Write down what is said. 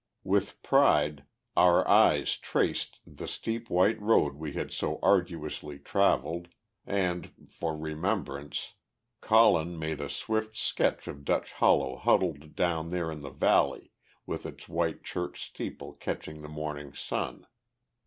With pride our eyes traced the steep white road we had so arduously travelled, and, for remembrance, Colin made a swift sketch of Dutch Hollow huddled down there in the valley, with its white church steeple catching the morning sun.